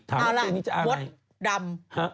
ตำนานรวดดำ